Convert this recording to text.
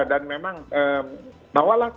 dan memang bawalah